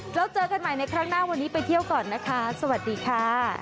เราเจอกันใหม่ในครั้งหน้าวันนี้ไปเที่ยวก่อนนะคะสวัสดีค่ะ